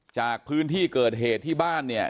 จากพื้นที่เกิดเหตุที่บ้านเนี่ย